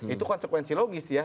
itu konsekuensi logis ya